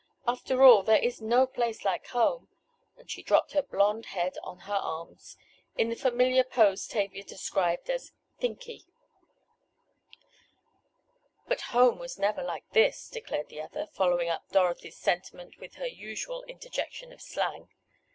"After all there is no place like home," and she dropped her blond head on her arms, in the familiar pose Tavia described as "thinky." "But home was never like this," declared the other, following up Dorothy's sentiment with her usual interjection of slang.